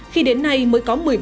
khi đến nay mới có một mươi bốn